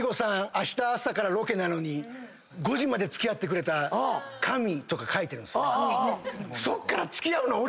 明日朝からロケなのに５時まで付き合ってくれた神！」とか書いてるんすよ。